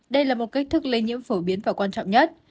đây là một cách thức lây nhiễm phổ biến và quan trọng nhất